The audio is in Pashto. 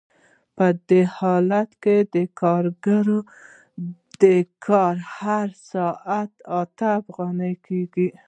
په دې حالت کې د کارګر د کار هر ساعت اته افغانۍ کېږي